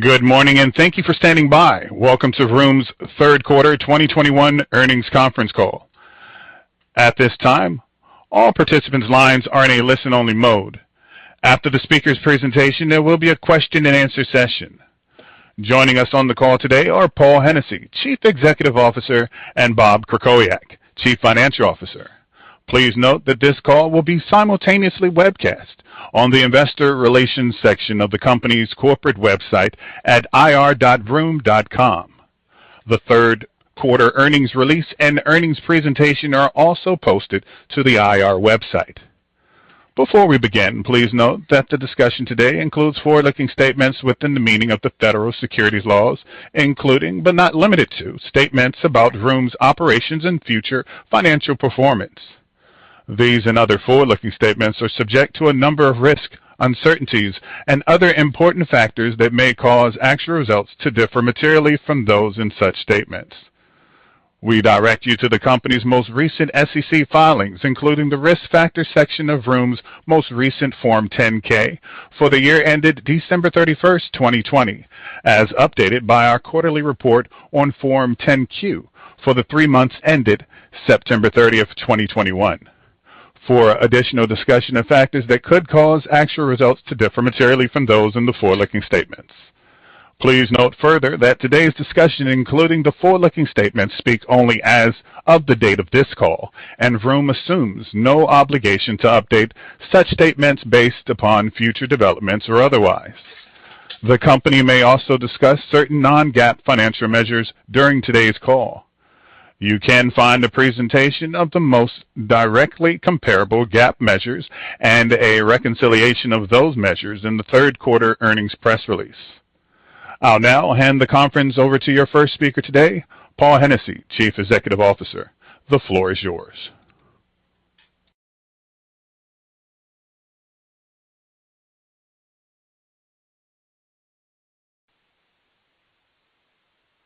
Good morning, and thank you for standing by. Welcome to Vroom's Third-Quarter 2021 Earnings conference call. At this time, all participants' lines are in a listen-only mode. After the speakers' presentation, there will be a question-and-answer session. Joining us on the call today are Paul Hennessy, Chief Executive Officer; and Bob Krakowiak, Chief Financial Officer. Please note that this call will be simultaneously webcast on the investor relations section of the company's corporate website at ir.vroom.com. The third quarter earnings release and earnings presentation are also posted to the IR website. Before we begin, please note that the discussion today includes forward-looking statements within the meaning of the federal securities laws, including, but not limited to, statements about Vroom's operations and future financial performance. These and other forward-looking statements are subject to a number of risks, uncertainties and other important factors that may cause actual results to differ materially from those in such statements. We direct you to the company's most recent SEC filings, including the Risk Factors section of Vroom's most recent Form 10-K for the year ended December 31st, 2020, as updated by our quarterly report on Form 10-Q for the three months ended September 30, 2021 for additional discussion of factors that could cause actual results to differ materially from those in the forward-looking statements. Please note further that today's discussion, including the forward-looking statements, speaks only as of the date of this call, and Vroom assumes no obligation to update such statements based upon future developments or otherwise. The company may also discuss certain non-GAAP financial measures during today's call. You can find a presentation of the most directly comparable GAAP measures and a reconciliation of those measures in the third quarter earnings press release. I'll now hand the conference over to your first speaker today, Paul Hennessy, Chief Executive Officer. The floor is yours.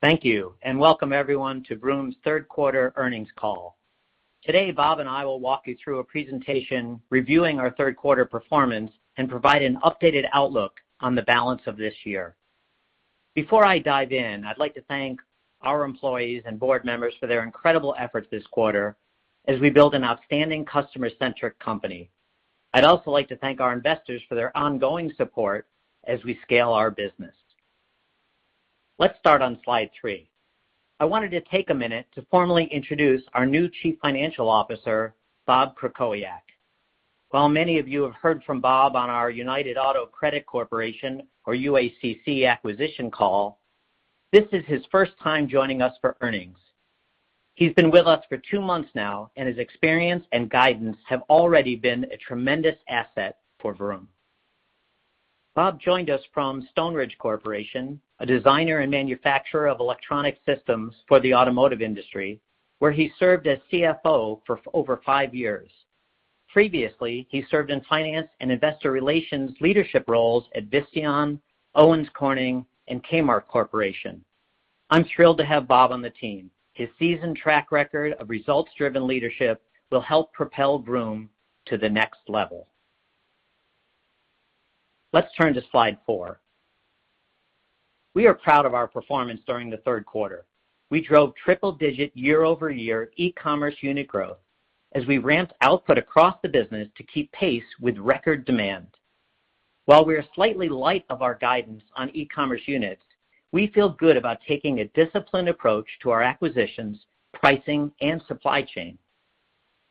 Thank you, and welcome everyone to Vroom's third quarter earnings call. Today, Bob and I will walk you through a presentation reviewing our third quarter performance and provide an updated outlook on the balance of this year. Before I dive in, I'd like to thank our employees and board members for their incredible efforts this quarter as we build an outstanding customer-centric company. I'd also like to thank our investors for their ongoing support as we scale our business. Let's start on slide three. I wanted to take a minute to formally introduce our new Chief Financial Officer, Bob Krakowiak. While many of you have heard from Bob on our United Auto Credit Corporation or UACC acquisition call, this is his first time joining us for earnings. He's been with us for two months now, and his experience and guidance have already been a tremendous asset for Vroom. Bob joined us from Stoneridge Corporation, a designer and manufacturer of electronic systems for the automotive industry, where he served as CFO for over five years. Previously, he served in finance and investor relations leadership roles at Visteon, Owens Corning, and Kmart Corporation. I'm thrilled to have Bob on the team. His seasoned track record of results-driven leadership will help propel Vroom to the next level. Let's turn to slide four. We are proud of our performance during the third quarter. We drove triple-digit year-over-year e-commerce unit growth as we ramped output across the business to keep pace with record demand. While we are slightly light of our guidance on e-commerce units, we feel good about taking a disciplined approach to our acquisitions, pricing, and supply chain.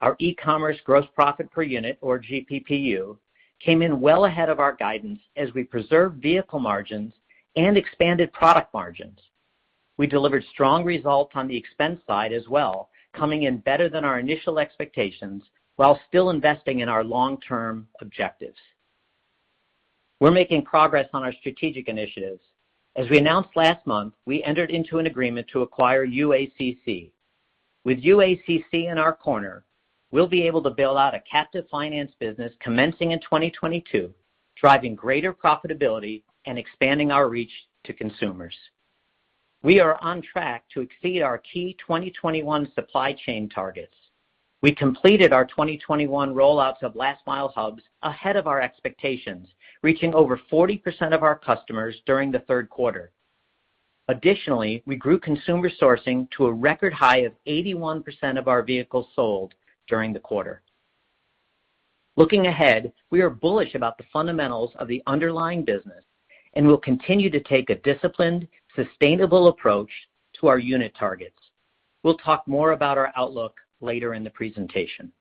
Our e-commerce gross profit per unit or GPPU came in well ahead of our guidance as we preserved vehicle margins and expanded product margins. We delivered strong results on the expense side as well, coming in better than our initial expectations while still investing in our long-term objectives. We're making progress on our strategic initiatives. As we announced last month, we entered into an agreement to acquire UACC. With UACC in our corner, we'll be able to build out a captive finance business commencing in 2022, driving greater profitability and expanding our reach to consumers. We are on track to exceed our key 2021 supply chain targets. We completed our 2021 rollouts of last mile hubs ahead of our expectations, reaching over 40% of our customers during the third quarter. Additionally, we grew consumer sourcing to a record high of 81% of our vehicles sold during the quarter. Looking ahead, we are bullish about the fundamentals of the underlying business, and we'll continue to take a disciplined, sustainable approach to our unit targets. We'll talk more about our outlook later in the presentation.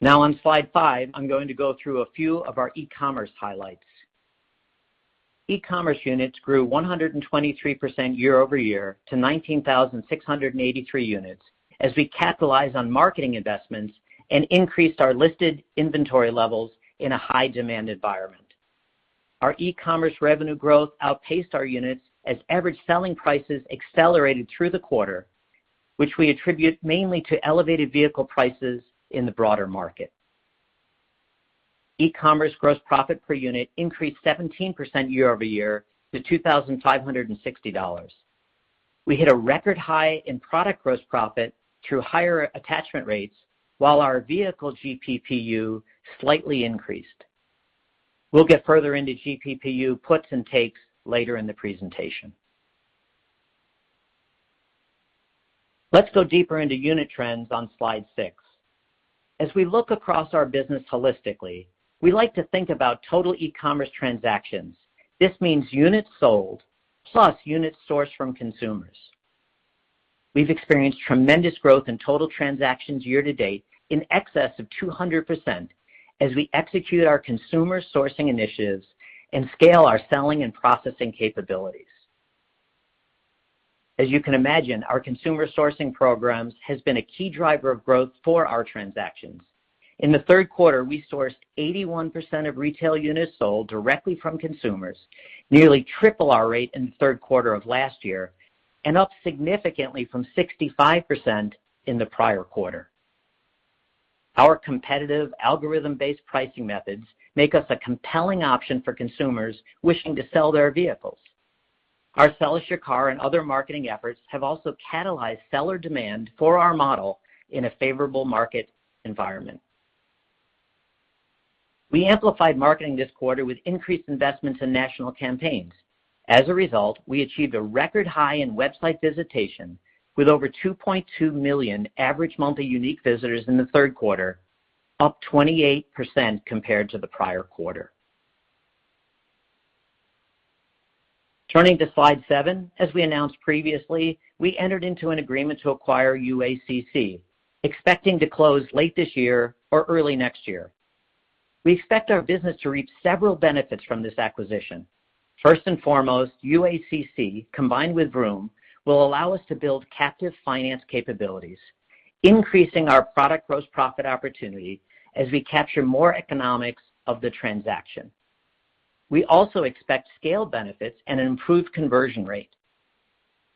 Now on slide five, I'm going to go through a few of our e-commerce highlights. E-commerce units grew 123% year-over-year to 19,683 units as we capitalize on marketing investments and increased our listed inventory levels in a high demand environment. Our e-commerce revenue growth outpaced our units as average selling prices accelerated through the quarter, which we attribute mainly to elevated vehicle prices in the broader market. E-commerce gross profit per unit increased 17% year-over-year to $2,560. We hit a record high in product gross profit through higher attachment rates while our vehicle GPPU slightly increased. We'll get further into GPPU puts and takes later in the presentation. Let's go deeper into unit trends on slide six. As we look across our business holistically, we like to think about total e-commerce transactions. This means units sold plus units sourced from consumers. We've experienced tremendous growth in total transactions year to date in excess of 200% as we execute our consumer sourcing initiatives and scale our selling and processing capabilities. As you can imagine, our consumer sourcing programs has been a key driver of growth for our transactions. In the third quarter, we sourced 81% of retail units sold directly from consumers, nearly triple our rate in the third quarter of last year, and up significantly from 65% in the prior quarter. Our competitive algorithm-based pricing methods make us a compelling option for consumers wishing to sell their vehicles. Our Sell Us Your Car and other marketing efforts have also catalyzed seller demand for our model in a favorable market environment. We amplified marketing this quarter with increased investments in national campaigns. As a result, we achieved a record high in website visitation with over 2.2 million average monthly unique visitors in the third quarter, up 28% compared to the prior quarter. Turning to slide seven, as we announced previously, we entered into an agreement to acquire UACC, expecting to close late this year or early next year. We expect our business to reap several benefits from this acquisition. First and foremost, UACC, combined with Vroom, will allow us to build captive finance capabilities, increasing our product gross profit opportunity as we capture more economics of the transaction. We also expect scale benefits and an improved conversion rate.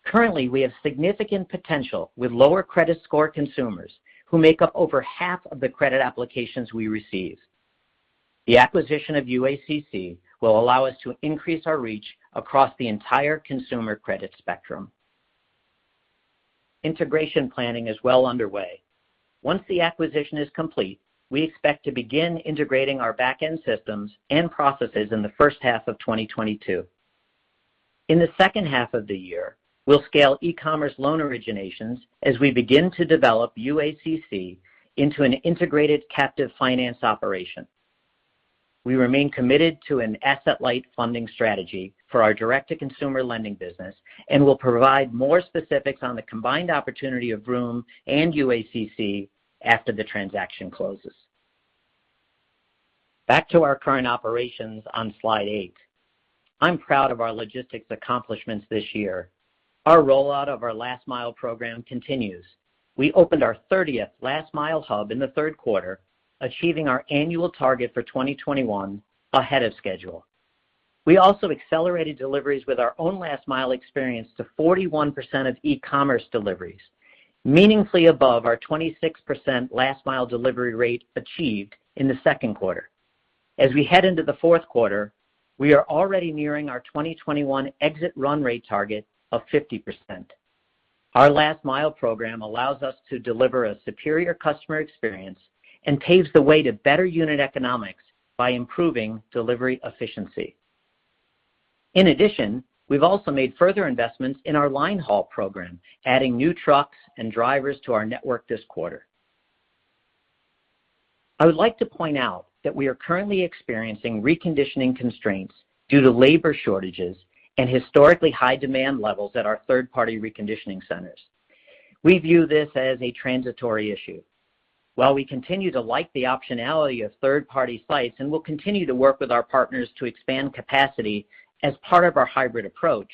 Currently, we have significant potential with lower credit score consumers who make up over half of the credit applications we receive. The acquisition of UACC will allow us to increase our reach across the entire consumer credit spectrum. Integration planning is well underway. Once the acquisition is complete, we expect to begin integrating our back-end systems and processes in the first half of 2022. In the second half of the year, we'll scale e-commerce loan originations as we begin to develop UACC into an integrated captive finance operation. We remain committed to an asset-light funding strategy for our direct-to-consumer lending business, and we'll provide more specifics on the combined opportunity of Vroom and UACC after the transaction closes. Back to our current operations on slide eight. I'm proud of our logistics accomplishments this year. Our rollout of our Last Mile program continues. We opened our 30th Last Mile hub in the third quarter, achieving our annual target for 2021 ahead of schedule. We also accelerated deliveries with our own Last Mile experience to 41% of e-commerce deliveries, meaningfully above our 26% last mile delivery rate achieved in the second quarter. As we head into the fourth quarter, we are already nearing our 2021 exit run rate target of 50%. Our Last Mile program allows us to deliver a superior customer experience and paves the way to better unit economics by improving delivery efficiency. In addition, we've also made further investments in our line haul program, adding new trucks and drivers to our network this quarter. I would like to point out that we are currently experiencing reconditioning constraints due to labor shortages and historically high demand levels at our third-party reconditioning centers. We view this as a transitory issue. While we continue to like the optionality of third-party sites and will continue to work with our partners to expand capacity as part of our hybrid approach,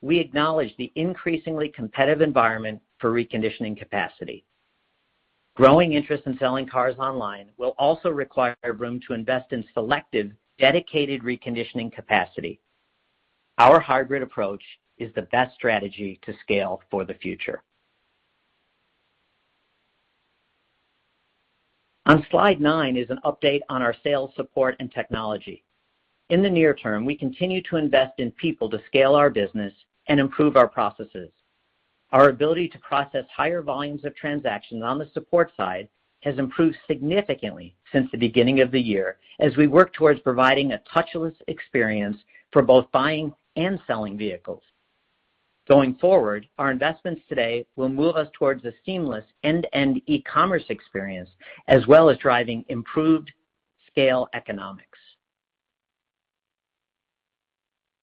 we acknowledge the increasingly competitive environment for reconditioning capacity. Growing interest in selling cars online will also require Vroom to invest in selective, dedicated reconditioning capacity. Our hybrid approach is the best strategy to scale for the future. On slide nine is an update on our sales support and technology. In the near term, we continue to invest in people to scale our business and improve our processes. Our ability to process higher volumes of transactions on the support side has improved significantly since the beginning of the year as we work towards providing a touchless experience for both buying and selling vehicles. Going forward, our investments today will move us towards a seamless end-to-end e-commerce experience as well as driving improved scale economics.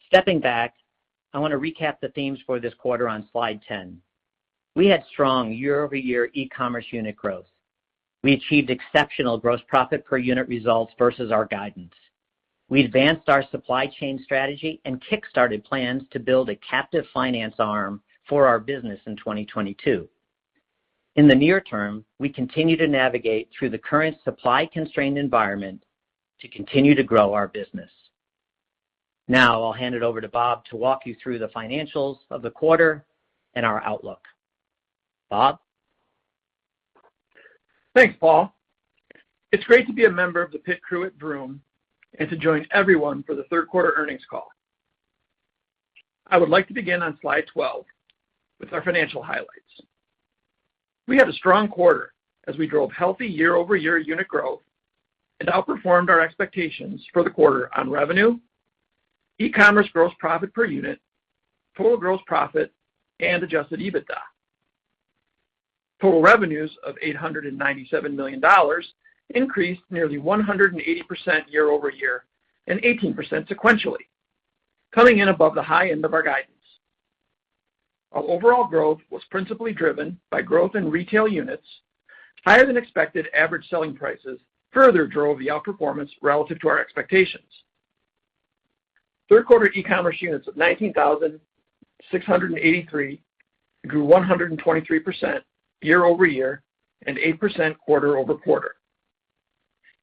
Stepping back, I wanna recap the themes for this quarter on slide 10. We had strong year-over-year e-commerce unit growth. We achieved exceptional gross profit per unit results versus our guidance. We advanced our supply chain strategy and kick-started plans to build a captive finance arm for our business in 2022. In the near term, we continue to navigate through the current supply constrained environment to continue to grow our business. Now I'll hand it over to Bob to walk you through the financials of the quarter and our outlook. Bob? Thanks, Paul. It's great to be a member of the pit crew at Vroom and to join everyone for the third quarter earnings call. I would like to begin on slide 12 with our financial highlights. We had a strong quarter as we drove healthy year-over-year unit growth and outperformed our expectations for the quarter on revenue, e-commerce gross profit per unit, total gross profit, and adjusted EBITDA. Total revenues of $897 million increased nearly 180% year-over-year and 18% sequentially, coming in above the high end of our guidance. Our overall growth was principally driven by growth in retail units. Higher than expected average selling prices further drove the outperformance relative to our expectations. Third quarter e-commerce units of 19,683 grew 123% year-over-year and 8% quarter-over-quarter.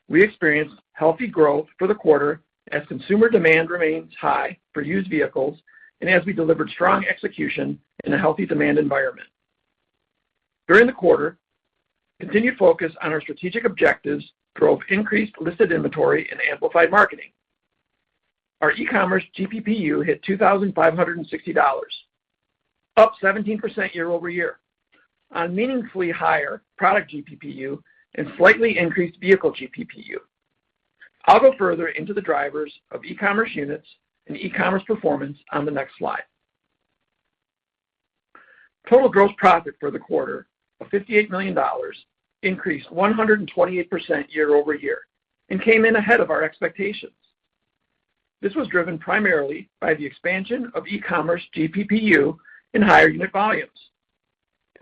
We experienced healthy growth for the quarter as consumer demand remains high for used vehicles and as we delivered strong execution in a healthy demand environment. During the quarter, continued focus on our strategic objectives drove increased listed inventory and amplified marketing. Our e-commerce GPPU hit $2,560, up 17% year-over-year on meaningfully higher product GPPU and slightly increased vehicle GPPU. I'll go further into the drivers of e-commerce units and e-commerce performance on the next slide. Total gross profit for the quarter of $58 million increased 128% year-over-year and came in ahead of our expectations. This was driven primarily by the expansion of e-commerce GPPU and higher unit volumes.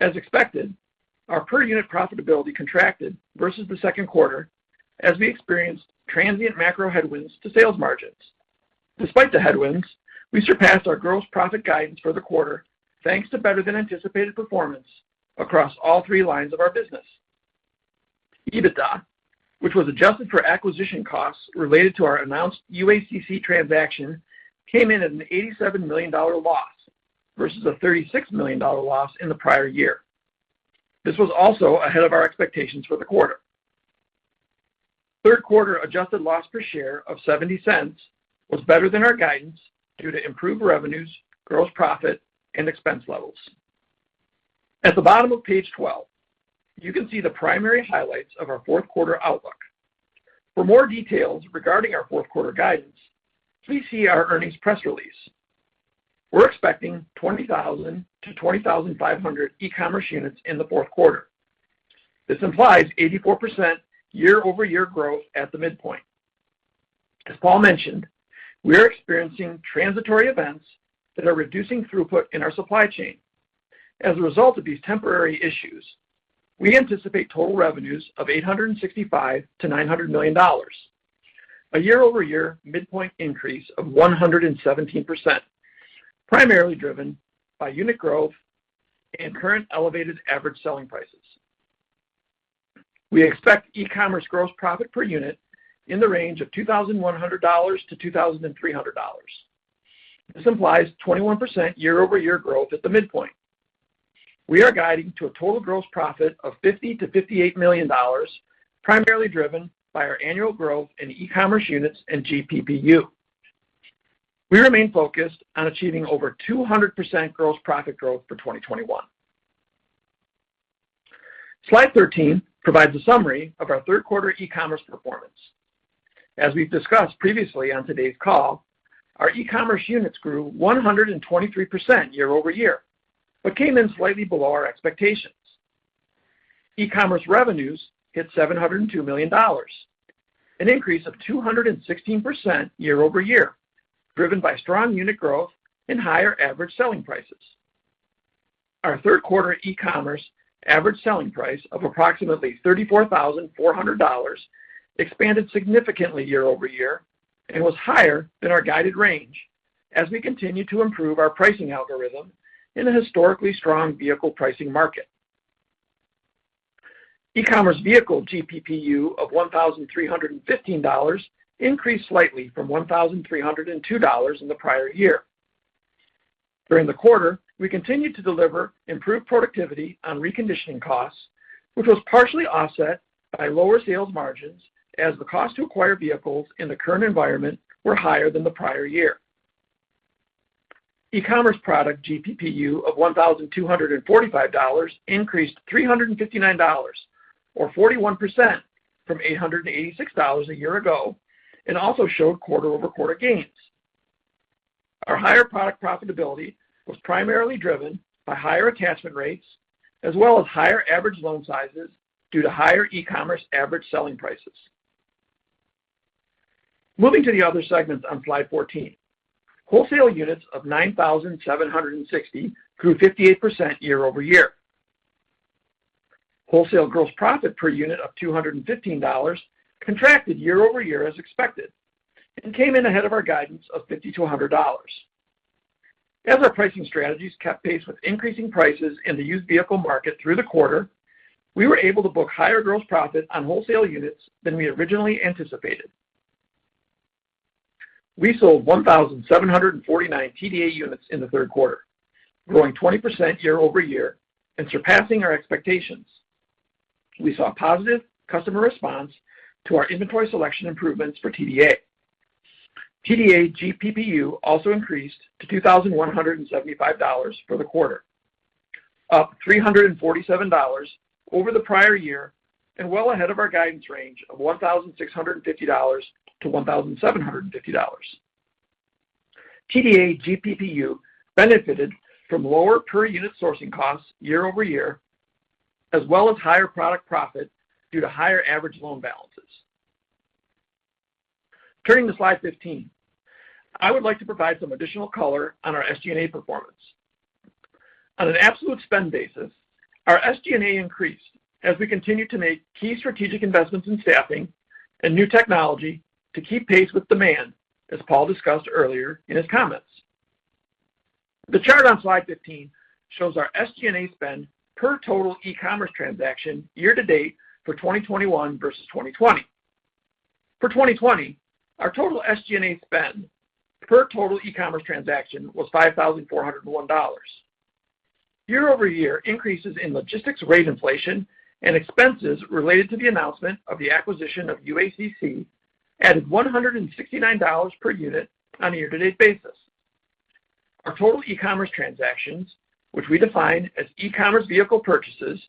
As expected, our per unit profitability contracted versus the second quarter as we experienced transient macro headwinds to sales margins. Despite the headwinds, we surpassed our gross profit guidance for the quarter, thanks to better than anticipated performance across all three lines of our business. EBITDA, which was adjusted for acquisition costs related to our announced UACC transaction, came in at a $87 million loss versus a $36 million loss in the prior year. This was also ahead of our expectations for the quarter. Third quarter adjusted loss per share of $0.70 was better than our guidance due to improved revenues, gross profit, and expense levels. At the bottom of page 12, you can see the primary highlights of our fourth quarter outlook. For more details regarding our fourth quarter guidance, please see our earnings press release. We're expecting 20,000-20,500 e-commerce units in the fourth quarter. This implies 84% year-over-year growth at the midpoint. As Paul mentioned, we are experiencing transitory events that are reducing throughput in our supply chain. As a result of these temporary issues, we anticipate total revenues of $865 million-$900 million, a year-over-year midpoint increase of 117%, primarily driven by unit growth and current elevated average selling prices. We expect e-commerce gross profit per unit in the range of $2,100-$2,300. This implies 21% year-over-year growth at the midpoint. We are guiding to a total gross profit of $50 million-$58 million, primarily driven by our annual growth in e-commerce units and GPPU. We remain focused on achieving over 200% gross profit growth for 2021. Slide 13 provides a summary of our third quarter e-commerce performance. As we've discussed previously on today's call, our e-commerce units grew 123% year-over-year, but came in slightly below our expectations. E-commerce revenues hit $702 million, an increase of 216% year-over-year, driven by strong unit growth and higher average selling prices. Our third quarter e-commerce average selling price of approximately $34,400 expanded significantly year-over-year and was higher than our guided range as we continue to improve our pricing algorithm in a historically strong vehicle pricing market. E-commerce vehicle GPPU of $1,315 increased slightly from $1,302 in the prior year. During the quarter, we continued to deliver improved productivity on reconditioning costs, which was partially offset by lower sales margins as the cost to acquire vehicles in the current environment were higher than the prior year. E-commerce product GPPU of $1,245 increased $359 or 41% from $886 a year ago and also showed quarter-over-quarter gains. Our higher product profitability was primarily driven by higher attachment rates as well as higher average loan sizes due to higher e-commerce average selling prices. Moving to the other segments on slide 14. Wholesale units of 9,760 grew 58% year-over-year. Wholesale gross profit per unit of $215 contracted year-over-year as expected and came in ahead of our guidance of $50-$100. As our pricing strategies kept pace with increasing prices in the used vehicle market through the quarter, we were able to book higher gross profit on wholesale units than we originally anticipated. We sold 1,749 TDA units in the third quarter, growing 20% year-over-year and surpassing our expectations. We saw positive customer response to our inventory selection improvements for TDA. TDA GPPU also increased to $2,175 for the quarter, up $347 over the prior year and well ahead of our guidance range of $1,650-$1,750. TDA GPPU benefited from lower per unit sourcing costs year-over-year, as well as higher product profit due to higher average loan balances. Turning to slide 15. I would like to provide some additional color on our SG&A performance. On an absolute spend basis, our SG&A increased as we continued to make key strategic investments in staffing and new technology to keep pace with demand, as Paul discussed earlier in his comments. The chart on slide 15 shows our SG&A spend per total e-commerce transaction year-to-date for 2021 versus 2020. For 2020, our total SG&A spend per total e-commerce transaction was $5,401. Year-over-year increases in logistics rate inflation and expenses related to the announcement of the acquisition of UACC added $169 per unit on a year-to-date basis. Our total e-commerce transactions, which we define as e-commerce vehicle purchases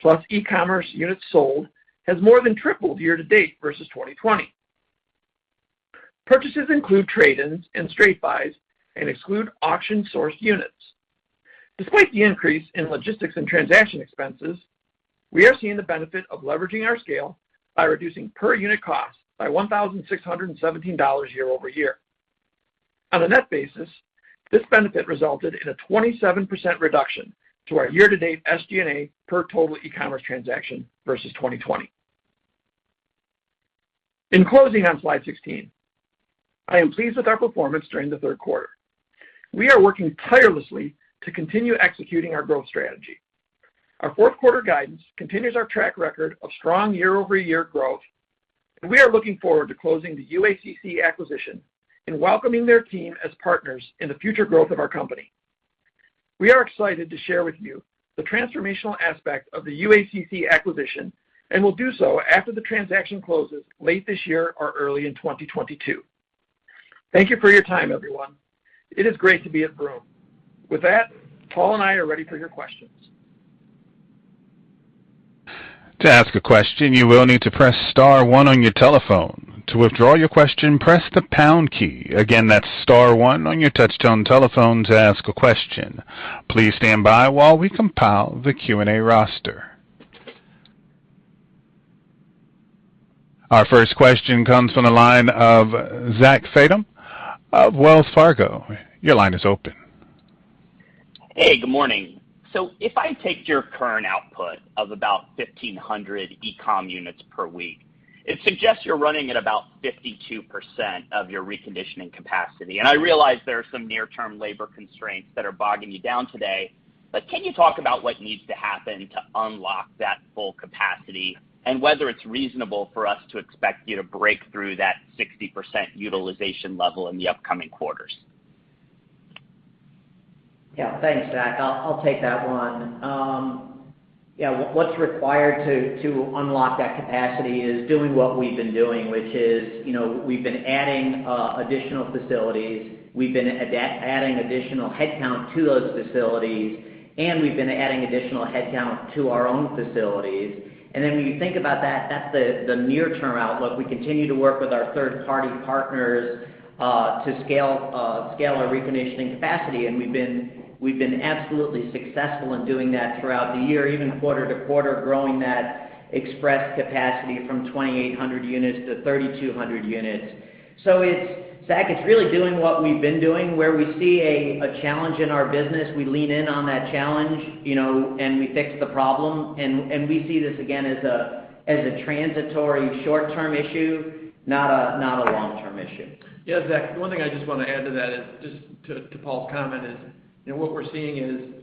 plus e-commerce units sold, has more than tripled year to date versus 2020. Purchases include trade-ins and straight buys and exclude auction-sourced units. Despite the increase in logistics and transaction expenses, we are seeing the benefit of leveraging our scale by reducing per unit costs by $1,617 year over year. On a net basis, this benefit resulted in a 27% reduction to our year-to-date SG&A per total e-commerce transaction versus 2020. In closing on slide 16, I am pleased with our performance during the third quarter. We are working tirelessly to continue executing our growth strategy. Our fourth quarter guidance continues our track record of strong year-over-year growth, and we are looking forward to closing the UACC acquisition and welcoming their team as partners in the future growth of our company. We are excited to share with you the transformational aspect of the UACC acquisition, and will do so after the transaction closes late this year or early in 2022. Thank you for your time, everyone. It is great to be at Vroom. With that, Paul and I are ready for your questions. Our first question comes from the line of Zach Fadem of Wells Fargo. Your line is open. Hey, good morning. If I take your current output of about 1,500 e-com units per week, it suggests you're running at about 52% of your reconditioning capacity. I realize there are some near-term labor constraints that are bogging you down today. Can you talk about what needs to happen to unlock that full capacity and whether it's reasonable for us to expect you to break through that 60% utilization level in the upcoming quarters? Yeah, thanks, Zach. I'll take that one. Yeah, what's required to unlock that capacity is doing what we've been doing, which is, you know, we've been adding additional facilities. We've been adding additional headcount to those facilities, and we've been adding additional headcount to our own facilities. Then when you think about that's the near-term outlook. We continue to work with our third-party partners to scale our reconditioning capacity. We've been absolutely successful in doing that throughout the year, even quarter to quarter, growing that express capacity from 2,800 units to 3,200 units. So it's, Zach, it's really doing what we've been doing. Where we see a challenge in our business, we lean in on that challenge, you know, and we fix the problem. We see this again as a transitory short-term issue, not a long-term issue. Yeah, Zach, one thing I just want to add to that is to Paul's comment. You know, what we're seeing is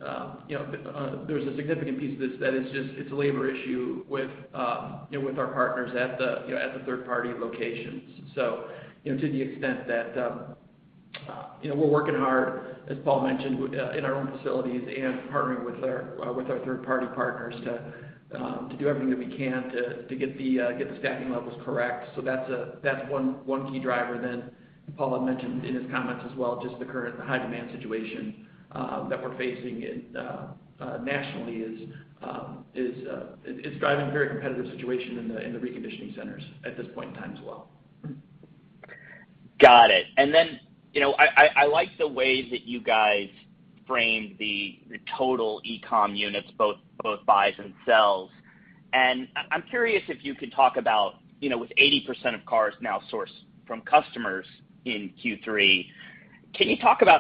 there's a significant piece of this that is just it's a labor issue with our partners at the third-party locations. You know, to the extent that we're working hard, as Paul mentioned, in our own facilities and partnering with our third-party partners to do everything that we can to get the staffing levels correct. So that's one key driver. Paul had mentioned in his comments as well, just the current high demand situation that we're facing nationally is driving a very competitive situation in the reconditioning centers at this point in time as well. Got it. You know, I like the way that you guys framed the total e-com units, both buys and sells. I'm curious if you could talk about, you know, with 80% of cars now sourced from customers in Q3,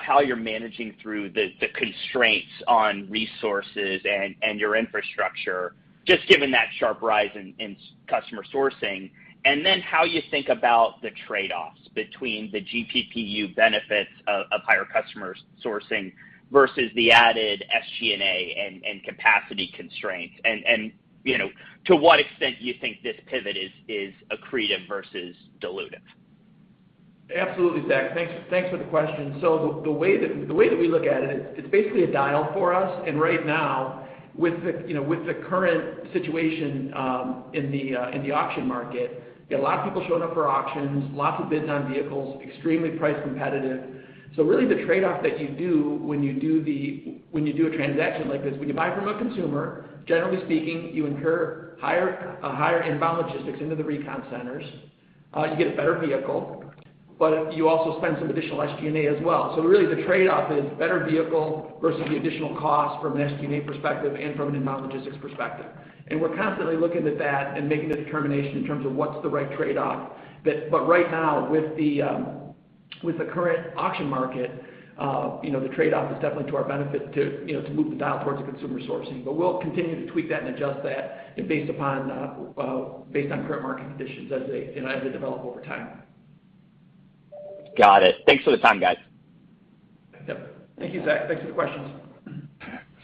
how you're managing through the constraints on resources and your infrastructure, just given that sharp rise in customer sourcing. How you think about the trade-offs between the GPPU benefits of higher customer sourcing versus the added SG&A and capacity constraints? You know, to what extent do you think this pivot is accretive versus dilutive? Absolutely, Zach. Thanks for the question. The way that we look at it is it's basically a dial for us. Right now, with you know, with the current situation in the auction market, you have a lot of people showing up for auctions, lots of bids on vehicles, extremely price competitive. Really the trade-off that you do when you do a transaction like this, when you buy from a consumer, generally speaking, you incur a higher inbound logistics into the recon centers, you get a better vehicle, but you also spend some additional SG&A as well. Really the trade-off is better vehicle versus the additional cost from an SG&A perspective and from an inbound logistics perspective. We're constantly looking at that and making the determination in terms of what's the right trade-off. Right now, with the current auction market, you know, the trade-off is definitely to our benefit to, you know, to move the dial towards the consumer sourcing. We'll continue to tweak that and adjust that based on current market conditions as they, you know, develop over time. Got it. Thanks for the time, guys. Yep. Thank you, Zach. Thanks for the questions.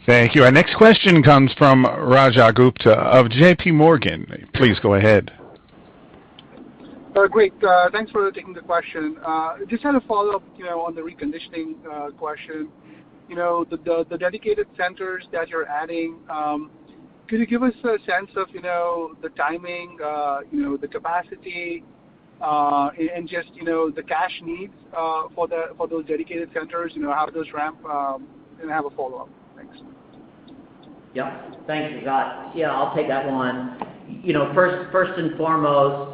Thank you. Our next question comes from Rajat Gupta of JPMorgan. Please go ahead. Great. Thanks for taking the question. Just trying to follow up, you know, on the reconditioning question. You know, the dedicated centers that you're adding, could you give us a sense of, you know, the timing, the capacity, and just the cash needs for those dedicated centers, you know, how those ramp? I have a follow-up. Thanks. Yep. Thank you, Rajat. Yeah, I'll take that one. You know, first and foremost,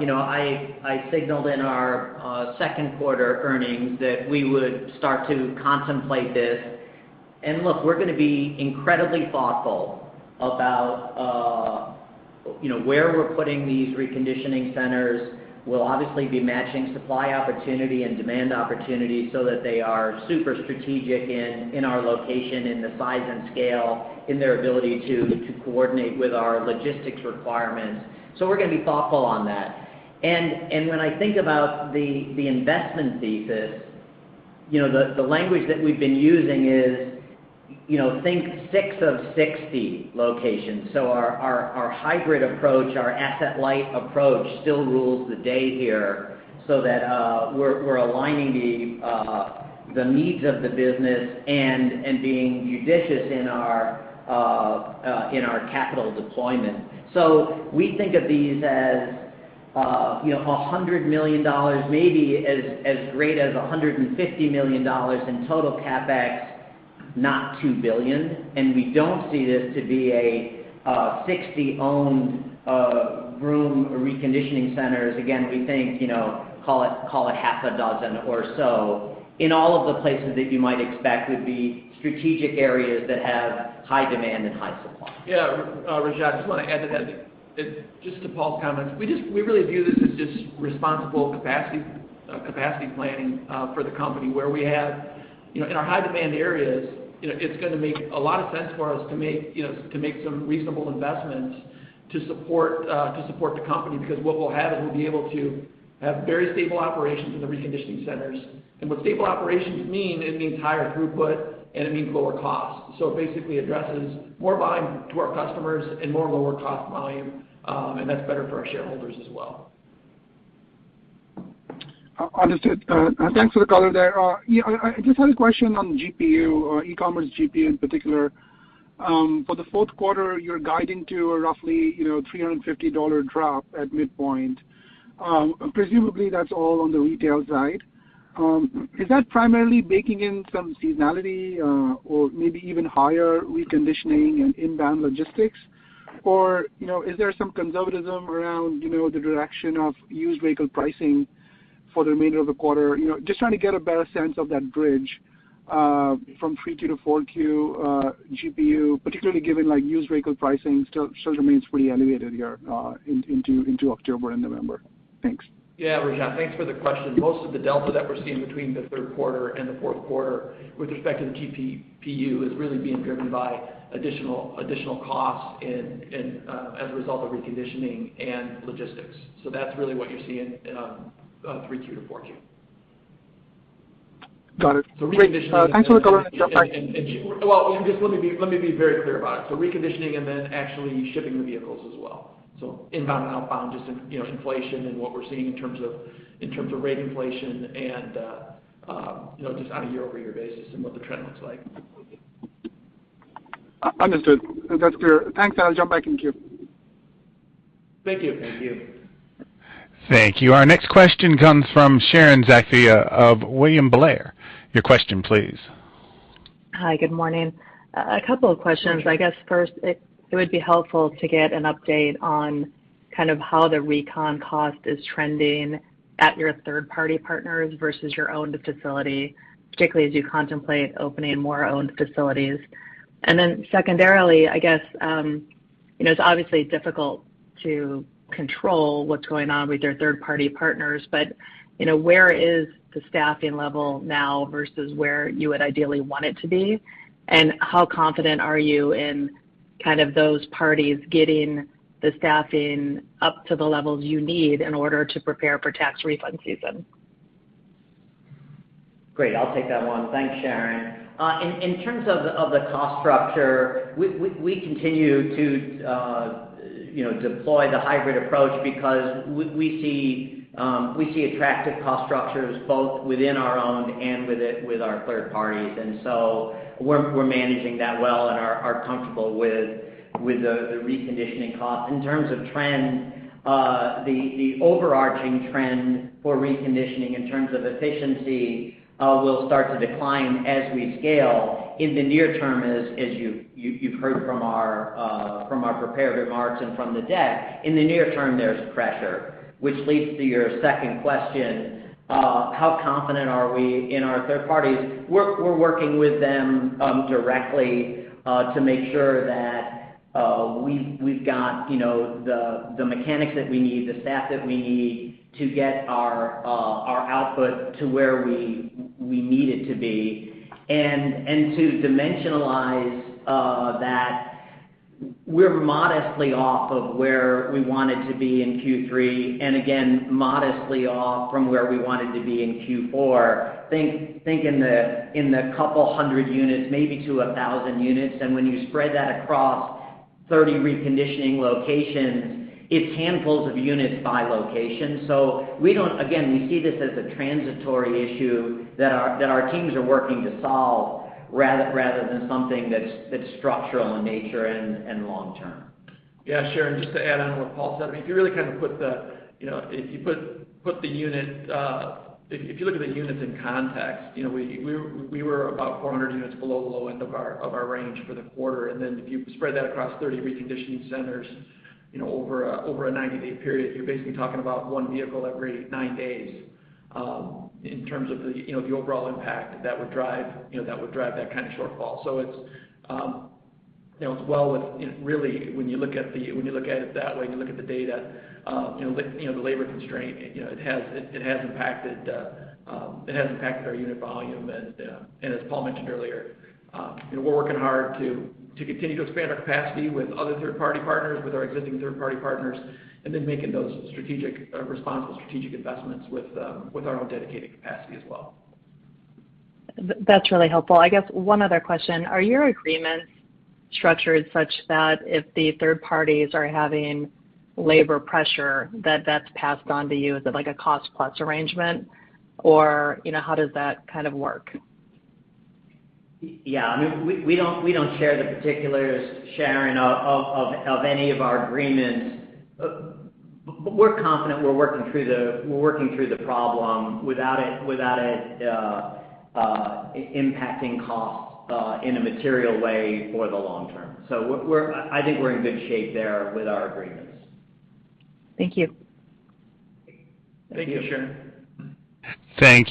you know, I signaled in our second quarter earnings that we would start to contemplate this. Look, we're going to be incredibly thoughtful about where we're putting these reconditioning centers. We'll obviously be matching supply opportunity and demand opportunity so that they are super strategic in our location, in the size and scale, in their ability to coordinate with our logistics requirements. We're going to be thoughtful on that. When I think about the investment thesis, you know, the language that we've been using is, you know, think six of 60 locations. Our hybrid approach, our asset-light approach still rules the day here so that we're aligning the needs of the business and being judicious in our capital deployment. We think of these as $100 million, maybe as much as $150 million in total CapEx, not $2 billion. We don't see this to be 60 Vroom reconditioning centers. Again, we think, call it half a dozen or so in all of the places that you might expect would be strategic areas that have high demand and high supply. Yeah, Raj, I just want to add to that. Just to Paul's comments. We really view this as just responsible capacity planning for the company. Where we have you know, in our high-demand areas, you know, it's going to make a lot of sense for us to make you know, to make some reasonable investments to support the company. Because what we'll have is we'll be able to have very stable operations in the reconditioning centers. What stable operations mean, it means higher throughput and it means lower cost. It basically addresses more volume to our customers and more lower cost volume, and that's better for our shareholders as well. Understood. Thanks for the color there. Yeah, I just had a question on GPU or e-commerce GPU in particular. For the fourth quarter, you're guiding to a roughly, you know, $350 drop at midpoint. Presumably that's all on the retail side. Is that primarily baking in some seasonality or maybe even higher reconditioning and inbound logistics? Or, you know, is there some conservatism around, you know, the direction of used vehicle pricing for the remainder of the quarter? You know, just trying to get a better sense of that bridge from 3Q to 4Q GPU, particularly given, like, used vehicle pricing still remains pretty elevated here into October and November. Thanks. Yeah, Raj, thanks for the question. Most of the delta that we're seeing between the third quarter and the fourth quarter with respect to the GPU is really being driven by additional costs as a result of reconditioning and logistics. That's really what you're seeing in 3Q-4Q. Got it. Great. Thanks for the color. I'll jump back. Well, just let me be very clear about it. Reconditioning and then actually shipping the vehicles as well. Inbound and outbound, just, you know, inflation and what we're seeing in terms of rate inflation and, you know, just on a year-over-year basis and what the trend looks like. Understood. That's clear. Thanks. I'll jump back in queue. Thank you. Thank you. Thank you. Our next question comes from Sharon Zackfia of William Blair. Your question, please. Hi. Good morning. A couple of questions. I guess first it would be helpful to get an update on kind of how the recon cost is trending at your third-party partners versus your owned facility, particularly as you contemplate opening more owned facilities. Secondarily, I guess, you know, it's obviously difficult to control what's going on with your third-party partners, but, you know, where is the staffing level now versus where you would ideally want it to be? How confident are you in kind of those parties getting the staffing up to the levels you need in order to prepare for tax refund season? Great. I'll take that one. Thanks, Sharon. In terms of the cost structure, we continue to, you know, deploy the hybrid approach because we see attractive cost structures both within our own and with our third parties. We're managing that well and are comfortable with the reconditioning costs. In terms of trends, the overarching trend for reconditioning in terms of efficiency will start to decline as we scale. In the near term, as you've heard from our prepared remarks and from the deck, in the near term, there's pressure, which leads to your second question, how confident are we in our third parties? We're working with them directly to make sure that we've got, you know, the mechanics that we need, the staff that we need to get our output to where we need it to be. To dimensionalize that we're modestly off of where we wanted to be in Q3, and again, modestly off from where we wanted to be in Q4, think in the 200 units, maybe to 1,000 units. When you spread that across 30 reconditioning locations, it's handfuls of units by location. We don't. Again, we see this as a transitory issue that our teams are working to solve rather than something that's structural in nature and long term. Yeah, Sharon, just to add on what Paul said. I mean, if you really kind of look at the units in context, you know, we were about 400 units below the low end of our range for the quarter. Then if you spread that across 30 reconditioning centers, you know, over a 90-day period, you're basically talking about one vehicle every nine days in terms of the overall impact that would drive that kind of shortfall. It's well within. Really when you look at it that way, you look at the data, the labor constraint, it has impacted our unit volume. As Paul mentioned earlier, we're working hard to continue to expand our capacity with other third-party partners, with our existing third-party partners, and then making those strategic, responsible strategic investments with our own dedicated capacity as well. That's really helpful. I guess one other question. Are your agreements structured such that if the third parties are having labor pressure that that's passed on to you? Is it like a cost plus arrangement or, you know, how does that kind of work? Yeah. I mean, we don't share the particulars, Sharon, of any of our agreements. We're confident we're working through the problem without it impacting costs in a material way for the long term. I think we're in good shape there with our agreements. Thank you. Thank you. Thank you, Sharon.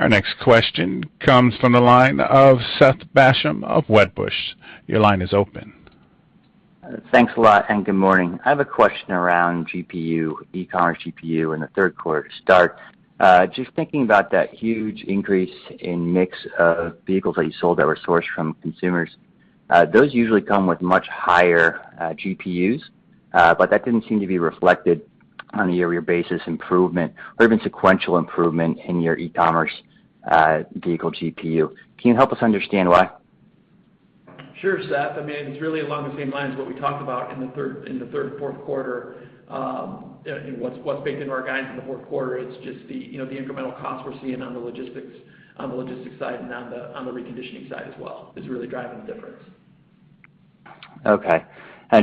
Our next question comes from the line of Seth Basham of Wedbush. Your line is open. Thanks a lot, and good morning. I have a question around GPU, e-commerce GPU in the third quarter start. Just thinking about that huge increase in mix of vehicles that you sold that were sourced from consumers. Those usually come with much higher GPUs, but that didn't seem to be reflected on a year-over-year basis improvement or even sequential improvement in your e-commerce vehicle GPU. Can you help us understand why? Sure, Seth. I mean, it's really along the same lines what we talked about in the third and fourth quarter. You know, what's baked into our guidance in the fourth quarter is just the, you know, the incremental costs we're seeing on the logistics side and on the reconditioning side as well is really driving the difference. Okay.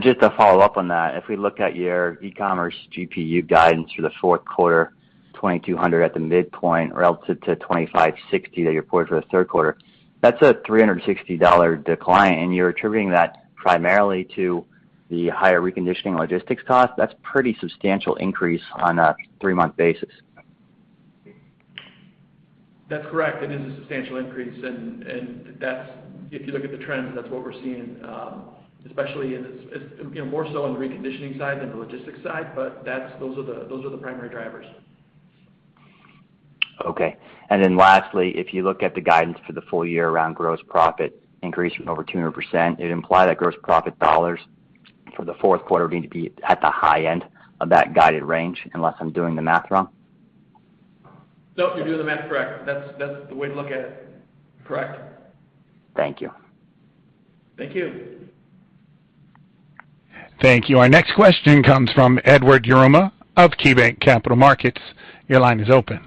Just to follow up on that, if we look at your e-commerce GPU guidance for the fourth quarter, 2,200 at the midpoint relative to 2,560 that you reported for the third quarter, that's a $360 decline. You're attributing that primarily to the higher reconditioning logistics cost. That's a pretty substantial increase on a three-month basis. That's correct. It is a substantial increase. That's, if you look at the trends, that's what we're seeing, especially in this, you know, more so on the reconditioning side than the logistics side, but that's, those are the primary drivers. Okay. Lastly, if you look at the guidance for the full year around gross profit increase from over 200%, it'd imply that gross profit dollars for the fourth quarter need to be at the high end of that guided range unless I'm doing the math wrong. Nope, you're doing the math correct. That's the way to look at it. Correct. Thank you. Thank you. Thank you. Our next question comes from Edward Yruma of KeyBanc Capital Markets. Your line is open.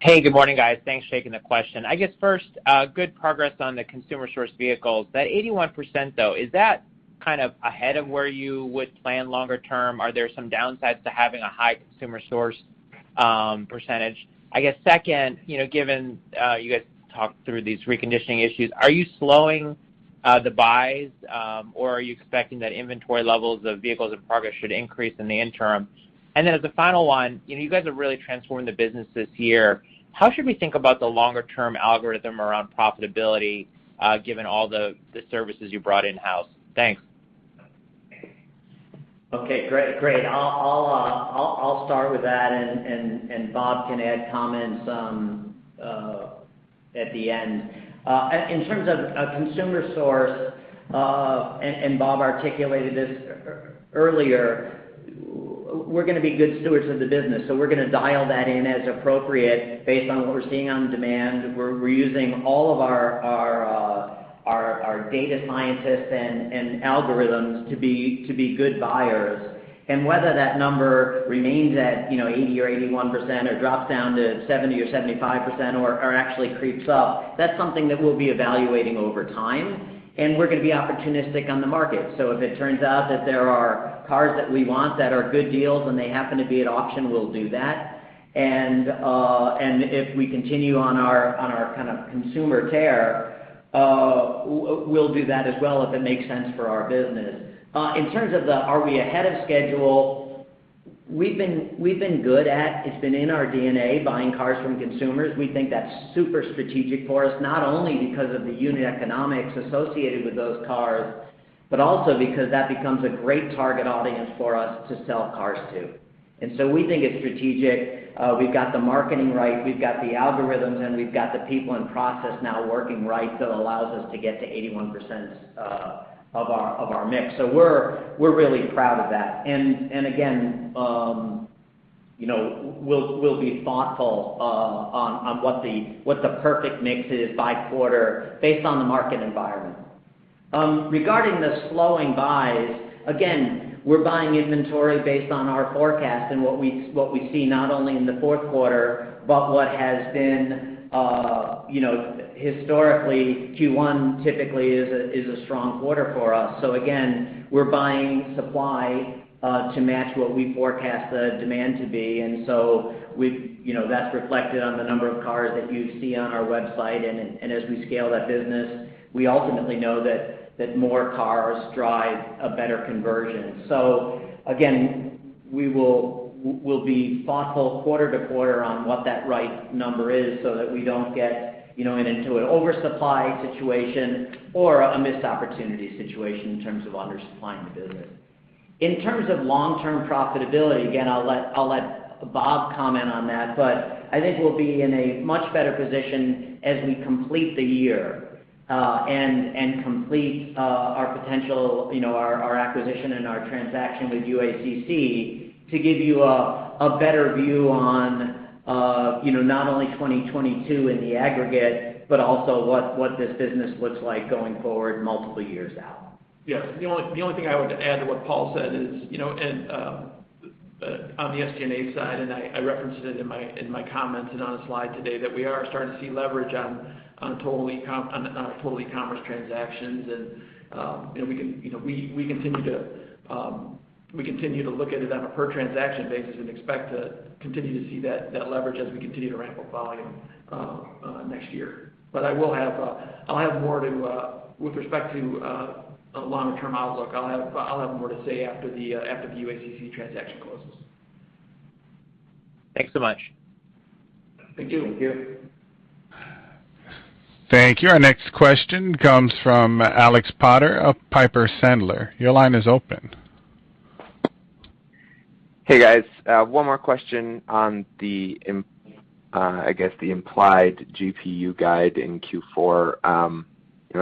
Hey, good morning, guys. Thanks for taking the question. I guess first, good progress on the consumer-sourced vehicles. That 81%, though, is that kind of ahead of where you would plan longer term? Are there some downsides to having a high consumer-sourced percentage? I guess second, you know, given you guys talked through these reconditioning issues, are you slowing the buys or are you expecting that inventory levels of vehicles in progress should increase in the interim? Then as a final one, you know, you guys have really transformed the business this year. How should we think about the longer-term algorithm around profitability, given all the services you brought in-house? Thanks. Okay, great. I'll start with that and Bob can add comments at the end. In terms of consumer sourcing, and Bob articulated this earlier, we're gonna be good stewards of the business. We're gonna dial that in as appropriate based on what we're seeing on demand. We're using all of our data scientists and algorithms to be good buyers. Whether that number remains at, you know, 80% or 81% or drops down to 70% or 75% or actually creeps up, that's something that we'll be evaluating over time, and we're gonna be opportunistic on the market. If it turns out that there are cars that we want that are good deals, and they happen to be at auction, we'll do that. If we continue on our kind of consumer tear, we'll do that as well if it makes sense for our business. In terms of are we ahead of schedule, we've been good at, it's been in our DNA, buying cars from consumers. We think that's super strategic for us, not only because of the unit economics associated with those cars, but also because that becomes a great target audience for us to sell cars to. We think it's strategic. We've got the marketing right, we've got the algorithms, and we've got the people and process now working right that allows us to get to 81% of our mix. We're really proud of that. Again, you know, we'll be thoughtful on what the perfect mix is by quarter based on the market environment. Regarding the slowing buys, again, we're buying inventory based on our forecast and what we see not only in the fourth quarter, but what has been, you know, historically, Q1 typically is a strong quarter for us. Again, we're buying supply to match what we forecast the demand to be. As we scale that business, we ultimately know that more cars drive a better conversion. Again, we'll be thoughtful quarter-to-quarter on what that right number is so that we don't get, you know, into an oversupply situation or a missed opportunity situation in terms of undersupplying the business. In terms of long-term profitability, again, I'll let Bob comment on that, but I think we'll be in a much better position as we complete the year and complete our potential, you know, our acquisition and our transaction with UACC to give you a better view on, you know, not only 2022 in the aggregate, but also what this business looks like going forward multiple years out. Yes. The only thing I would add to what Paul said is, you know, on the SG&A side, I referenced it in my comments and on a slide today, that we are starting to see leverage on total e-commerce transactions. You know, we continue to look at it on a per transaction basis and expect to continue to see that leverage as we continue to ramp up volume next year. I will have more to say with respect to a longer term outlook after the UACC transaction closes. Thanks so much. Thank you. Thank you. Thank you. Our next question comes from Alex Potter of Piper Sandler. Your line is open. Hey, guys. One more question on the implied GPU guide in Q4. You know,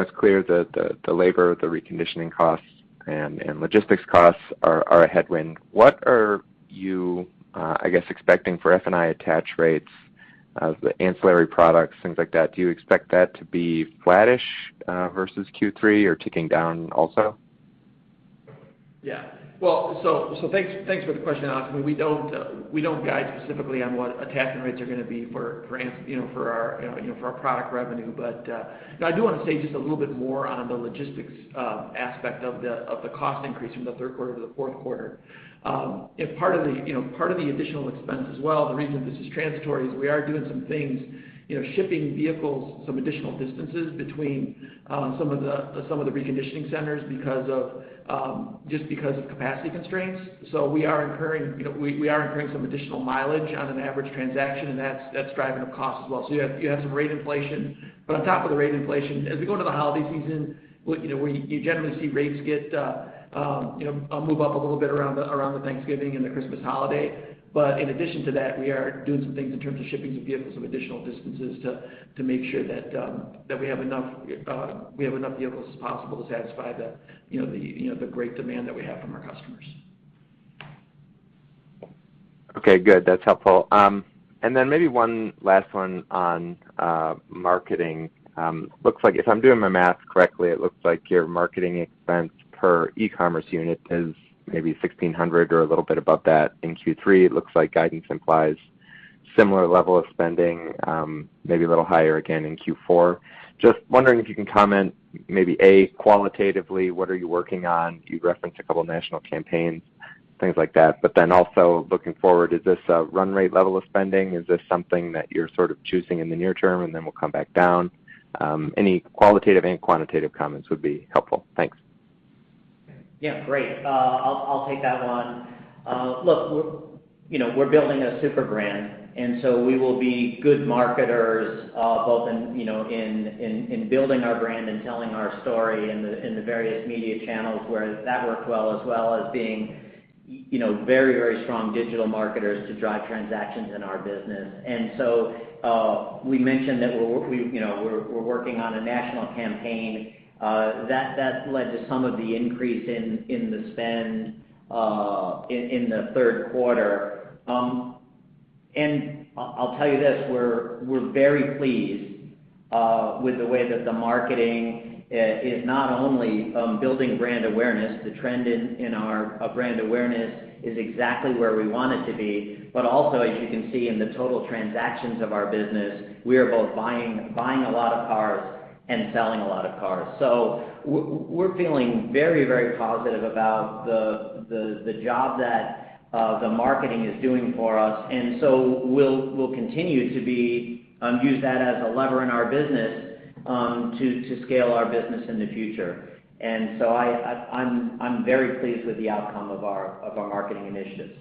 it's clear the labor, the reconditioning costs and logistics costs are a headwind. What are you, I guess, expecting for F&I attach rates of the ancillary products, things like that? Do you expect that to be flattish versus Q3 or ticking down also? Thanks for the question, Alex. I mean, we don't guide specifically on what attachment rates are gonna be for you know, for our you know, for our product revenue. You know, I do wanna say just a little bit more on the logistics aspect of the cost increase from the third quarter to the fourth quarter. Part of the additional expense as well, the reason this is transitory, is we are doing some things you know shipping vehicles some additional distances between some of the reconditioning centers because of just because of capacity constraints. We are incurring you know some additional mileage on an average transaction, and that's driving up costs as well. You have some rate inflation. On top of the rate inflation, as we go into the holiday season, you know, we generally see rates get move up a little bit around the Thanksgiving and the Christmas holiday. In addition to that, we are doing some things in terms of shipping some vehicles some additional distances to make sure that we have enough vehicles as possible to satisfy the you know, the great demand that we have from our customers. Okay, good. That's helpful. Maybe one last one on marketing. Looks like if I'm doing my math correctly, it looks like your marketing expense per e-commerce unit is maybe $1,600 or a little bit above that in Q3. It looks like guidance implies similar level of spending, maybe a little higher again in Q4. Just wondering if you can comment maybe, A, qualitatively, what are you working on? You referenced a couple of national campaigns, things like that. Also looking forward, is this a run rate level of spending? Is this something that you're sort of choosing in the near term, and then we'll come back down? Any qualitative and quantitative comments would be helpful. Thanks. Yeah, great. I'll take that one. Look, we're, you know, we're building a super brand, and so we will be good marketers, both in, you know, in building our brand and telling our story in the various media channels where that worked well, as well as being, you know, very strong digital marketers to drive transactions in our business. We mentioned that we're, you know, we're working on a national campaign, that led to some of the increase in the spend in the third quarter. I'll tell you this, we're very pleased with the way that the marketing is not only building brand awareness. The trend in our brand awareness is exactly where we want it to be. Also, as you can see in the total transactions of our business, we are both buying a lot of cars and selling a lot of cars. We're feeling very, very positive about the job that the marketing is doing for us. We'll continue to use that as a lever in our business to scale our business in the future. I'm very pleased with the outcome of our marketing initiatives.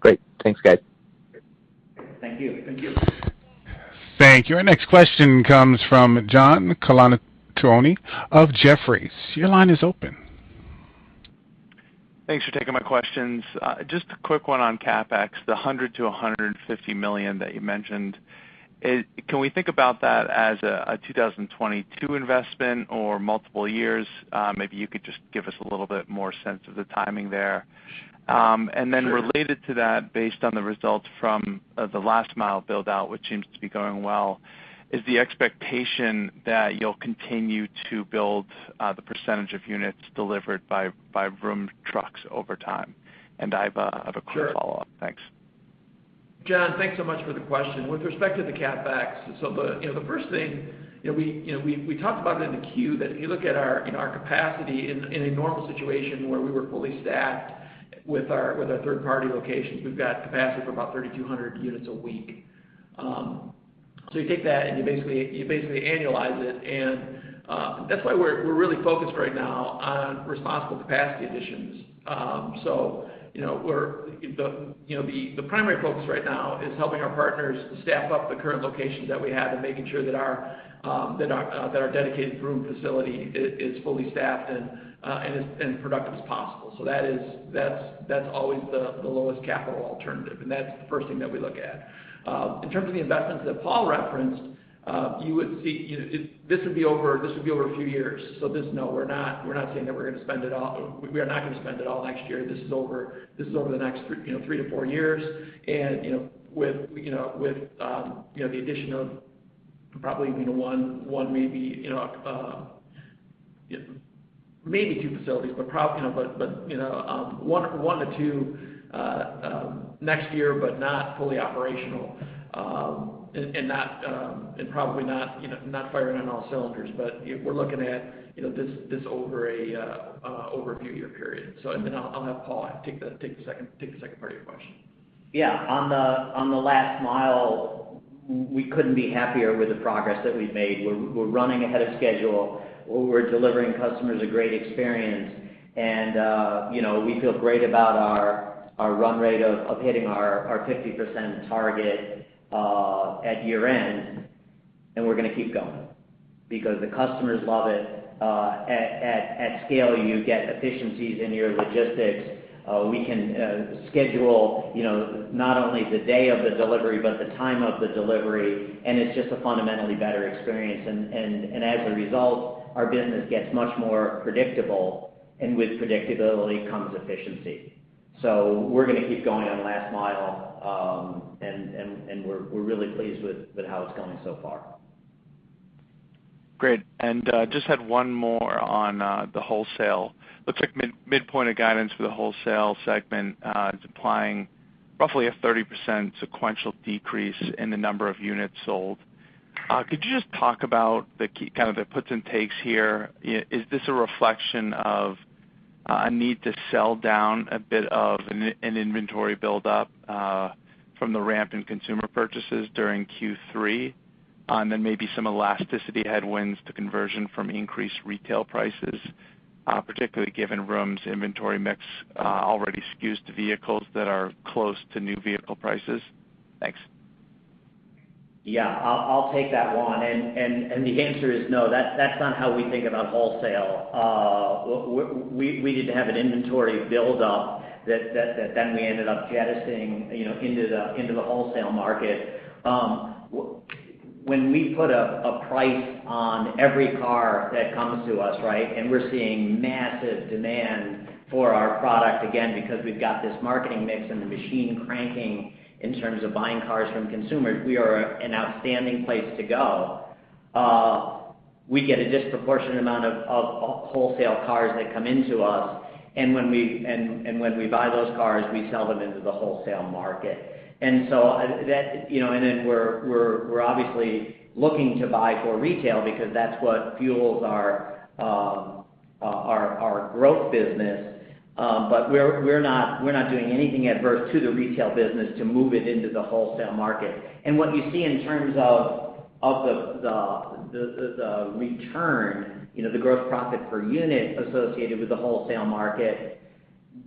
Great. Thanks, guys. Thank you. Thank you. Thank you. Our next question comes from John Colantuoni of Jefferies. Your line is open. Thanks for taking my questions. Just a quick one on CapEx, the $100 million-$150 million that you mentioned. Can we think about that as a 2022 investment or multiple years? Maybe you could just give us a little bit more sense of the timing there. Related to that, based on the results from the last mile build-out, which seems to be going well, is the expectation that you'll continue to build the percentage of units delivered by Vroom trucks over time? I have a quick follow-up. Thanks. Sure. John, thanks so much for the question. With respect to the CapEx, the first thing, you know, we talked about it in the Q that if you look at our capacity in a normal situation where we were fully staffed with our third-party locations, we've got capacity for about 3,200 units a week. You take that, and you basically annualize it. That's why we're really focused right now on responsible capacity additions. You know, the primary focus right now is helping our partners staff up the current locations that we have and making sure that our dedicated Vroom facility is fully staffed and productive as possible. That's always the lowest capital alternative, and that's the first thing that we look at. In terms of the investments that Paul referenced, you know, this would be over a few years. We're not saying that we're gonna spend it all. We are not gonna spend it all next year. This is over the next three to four years. You know, with the addition of probably, you know, one maybe two facilities. But you know, one to two next year, but not fully operational, and not, and probably not firing on all cylinders. We're looking at, you know, this over a few-year period. I'll have Paul take the second part of your question. Yeah. On the last mile, we couldn't be happier with the progress that we've made. We're running ahead of schedule. We're delivering customers a great experience, and you know, we feel great about our run rate of hitting our 50% target at year-end. We're gonna keep going because the customers love it. At scale, you get efficiencies in your logistics. We can schedule, you know, not only the day of the delivery but the time of the delivery, and it's just a fundamentally better experience. As a result, our business gets much more predictable, and with predictability comes efficiency. We're gonna keep going on last mile, and we're really pleased with how it's going so far. Great. Just had one more on the wholesale. Looks like mid-point of guidance for the wholesale segment is implying roughly a 30% sequential decrease in the number of units sold. Could you just talk about the key kind of the puts and takes here? Is this a reflection of a need to sell down a bit of an inventory build-up from the ramp in consumer purchases during Q3? Maybe some elasticity headwinds to conversion from increased retail prices, particularly given Vroom's inventory mix already skews to vehicles that are close to new vehicle prices. Thanks. Yeah. I'll take that one. The answer is no. That's not how we think about wholesale. We didn't have an inventory build-up that then we ended up jettisoning, you know, into the wholesale market. When we put a price on every car that comes to us, right? We're seeing massive demand for our product, again, because we've got this marketing mix and the machine cranking in terms of buying cars from consumers. We are an outstanding place to go. We get a disproportionate amount of wholesale cars that come into us. When we buy those cars, we sell them into the wholesale market. That, you know, and then we're obviously looking to buy for retail because that's what fuels our growth business. We're not doing anything adverse to the retail business to move it into the wholesale market. What you see in terms of the return, you know, the gross profit per unit associated with the wholesale market,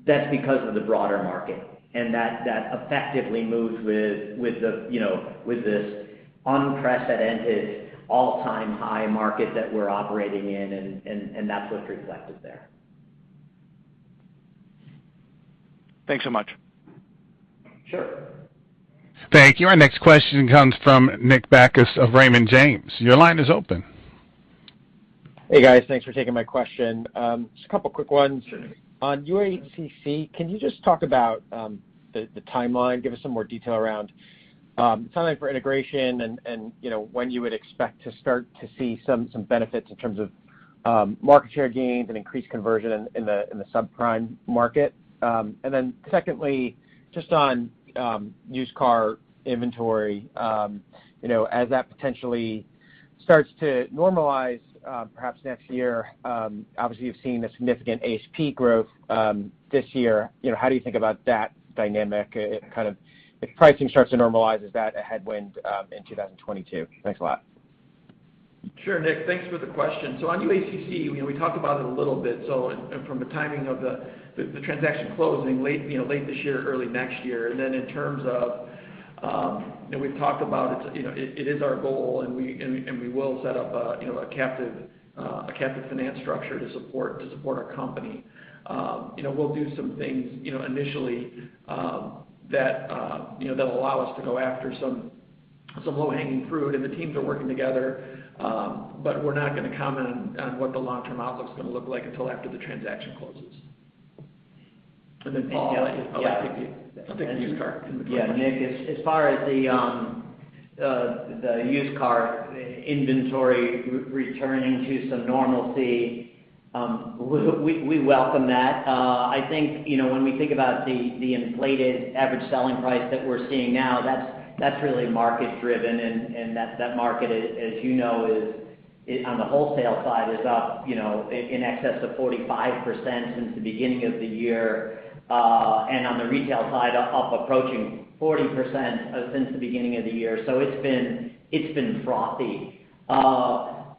that's because of the broader market. That effectively moves with the, you know, with this unprecedented all-time high market that we're operating in, and that's what's reflected there. Thanks so much. Sure. Thank you. Our next question comes from Nick Bacchus of Raymond James. Your line is open. Hey, guys. Thanks for taking my question. Just a couple of quick ones. Sure. On UACC, can you just talk about the timeline, give us some more detail around timing for integration and you know, when you would expect to start to see some benefits in terms of market share gains and increased conversion in the subprime market? Secondly, just on used car inventory, you know, as that potentially starts to normalize, perhaps next year, obviously you've seen a significant ASP growth this year. You know, how do you think about that dynamic, kind of if pricing starts to normalize, is that a headwind in 2022? Thanks a lot. Sure, Nick. Thanks for the question. On UACC, you know, we talked about it a little bit. From the timing of the transaction closing late this year or early next year, in terms of, you know, we've talked about it. It is our goal, and we will set up a captive finance structure to support our company. You know, we'll do some things initially that allow us to go after some low-hanging fruit. The teams are working together, but we're not gonna comment on what the long-term outlook's gonna look like until after the transaction closes. Paul. Yeah. I'll kick to used cars. Yeah. Nick, as far as the used car inventory returning to some normalcy, we welcome that. I think, you know, when we think about the inflated average selling price that we're seeing now, that's really market driven. That market, as you know, is on the wholesale side up, you know, in excess of 45% since the beginning of the year. And on the retail side, up approaching 40% since the beginning of the year. It's been frothy.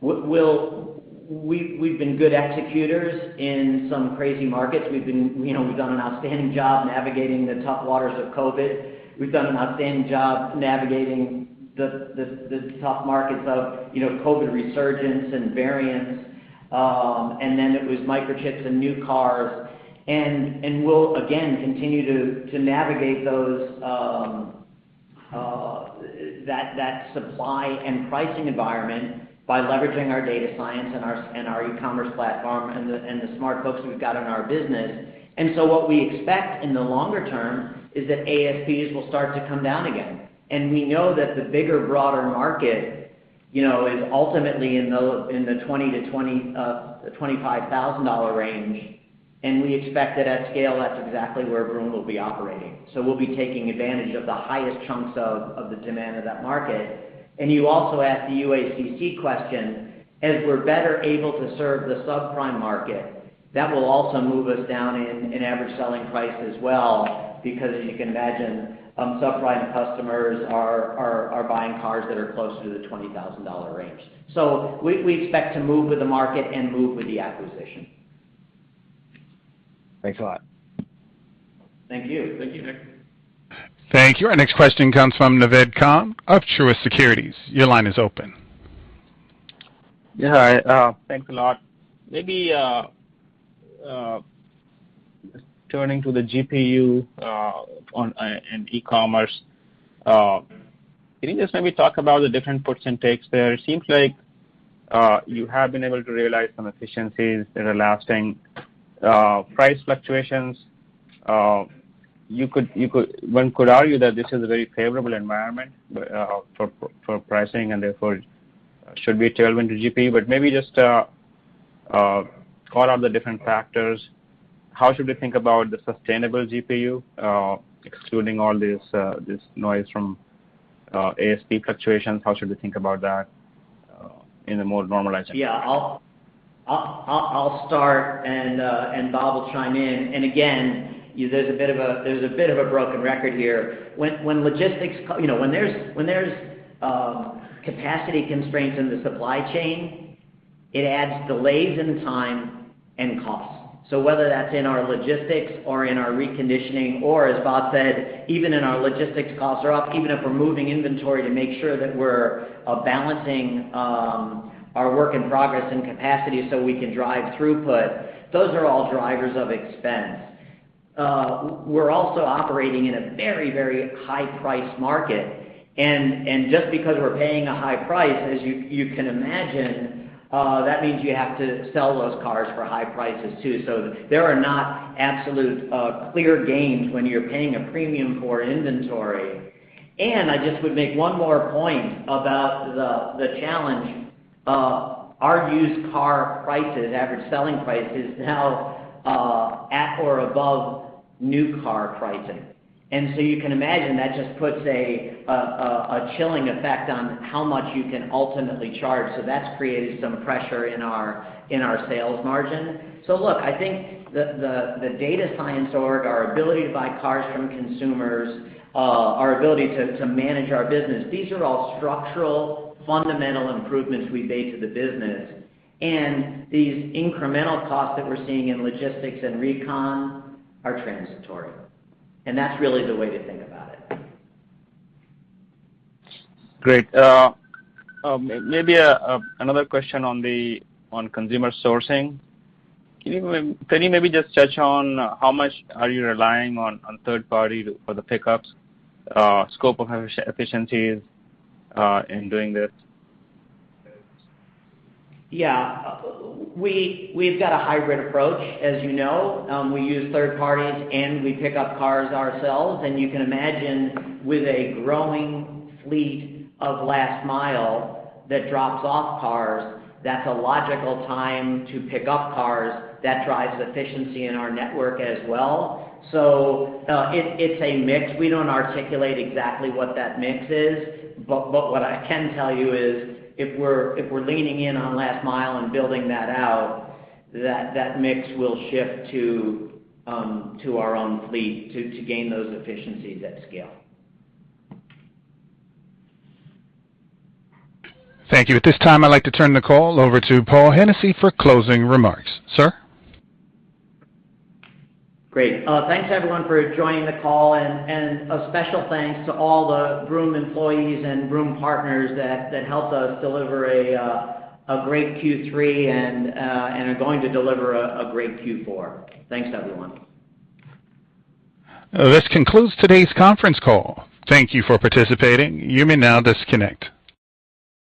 We've been good executors in some crazy markets. You know, we've done an outstanding job navigating the tough waters of COVID. We've done an outstanding job navigating the tough markets of, you know, COVID resurgence and variants. It was microchips and new cars. We'll again continue to navigate that supply and pricing environment by leveraging our data science and our e-commerce platform and the smart folks we've got in our business. What we expect in the longer term is that ASPs will start to come down again. We know that the bigger, broader market, you know, is ultimately in the $20,000-$25,000 range, and we expect that at scale, that's exactly where Vroom will be operating. We'll be taking advantage of the highest chunks of the demand of that market. You also asked the UACC question. As we're better able to serve the subprime market, that will also move us down in average selling price as well because as you can imagine, subprime customers are buying cars that are closer to the $20,000 range. We expect to move with the market and move with the acquisition. Thanks a lot. Thank you. Thank you, Nick. Thank you. Our next question comes from Naved Khan of Truist Securities. Your line is open. Yeah. Thanks a lot. Maybe turning to the GPU and e-commerce. Can you just maybe talk about the different percentages there? It seems like you have been able to realize some efficiencies that are lasting price fluctuations. One could argue that this is a very favorable environment for pricing and therefore should be a tailwind to GP. Maybe just call out the different factors. How should we think about the sustainable GPU excluding all this noise from ASP fluctuations? How should we think about that in a more normalized? Yeah. I'll start and Bob will chime in. Again, there's a bit of a broken record here. You know, when there's capacity constraints in the supply chain, it adds delays in time and cost. Whether that's in our logistics or in our reconditioning, or as Bob said, even our logistics costs are up, even if we're moving inventory to make sure that we're balancing our work in progress and capacity so we can drive throughput, those are all drivers of expense. We're also operating in a very high price market. Just because we're paying a high price, as you can imagine, that means you have to sell those cars for high prices too. There are not absolute clear gains when you're paying a premium for inventory. I just would make one more point about the challenge of our used car prices, average selling price, is now at or above new car pricing. You can imagine that just puts a chilling effect on how much you can ultimately charge. That's created some pressure in our sales margin. Look, I think the data science org, our ability to buy cars from consumers, our ability to manage our business, these are all structural fundamental improvements we've made to the business. These incremental costs that we're seeing in logistics and recon are transitory. That's really the way to think about it. Great. Maybe another question on consumer sourcing. Can you maybe just touch on how much are you relying on third party for the pickups, scope of efficiencies, in doing this? Yeah. We've got a hybrid approach as you know. We use third parties, and we pick up cars ourselves. You can imagine with a growing fleet of last mile that drops off cars, that's a logical time to pick up cars. That drives efficiency in our network as well. It's a mix. We don't articulate exactly what that mix is, but what I can tell you is if we're leaning in on last mile and building that out, that mix will shift to our own fleet to gain those efficiencies at scale. Thank you. At this time, I'd like to turn the call over to Paul Hennessy for closing remarks. Sir? Great. Thanks everyone for joining the call, and a special thanks to all the Vroom employees and Vroom partners that helped us deliver a great Q3 and are going to deliver a great Q4. Thanks, everyone. This concludes today's conference call. Thank you for participating. You may now disconnect.